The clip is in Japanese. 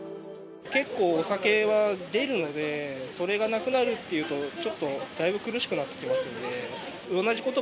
結構、お酒は出るので、それがなくなるっていうと、ちょっとだいぶ苦しくなってきますので。